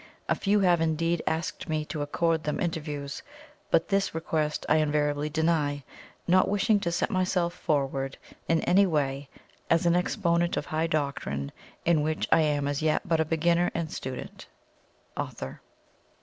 A few have indeed asked me to accord them interviews, but this request I invariably deny, not wishing to set myself forward in any way as an exponent of high doctrine in which I am as yet but a beginner and student. AUTHOR.